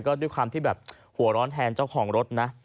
ก็ด้วยความที่แบบหัวร้อนแทนเจ้าของรถนะ